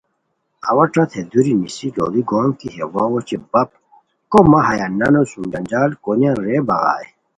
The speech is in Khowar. اوا ݯت ہے دوری نیسی لوڑی گوم کی ہے واؤ اوچے بپ کو مہ ہیہ نانو سوم جنجال کونیان رے بغائے